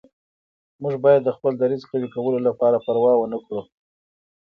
موږ باید د خپل دریځ قوي کولو لپاره پروا ونه کړو.